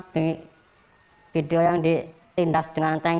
di video yang ditindas dengan tank